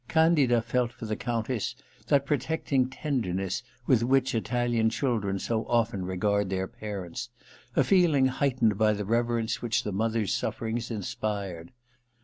Candida felt for the Countess that protecting tenderness with which Italian children so often regard their parents, a feeling heightened by the reverence which the mother's sufferings inspired.